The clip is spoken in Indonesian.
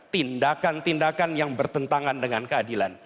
tindakan tindakan yang bertentangan dengan keadilan